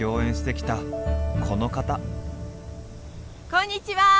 こんにちは！